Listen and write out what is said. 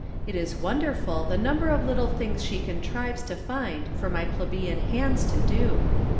It is wonderful the number of little things she contrives to find for my plebeian hands to do.